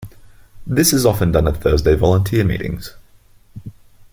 This is often done at Thursday volunteer meetings.